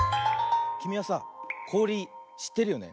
きみはさこおりしってるよね？